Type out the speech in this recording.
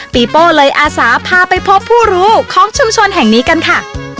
โป้เลยอาสาพาไปพบผู้รู้ของชุมชนแห่งนี้กันค่ะ